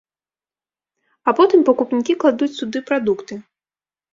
А потым пакупнікі кладуць туды прадукты.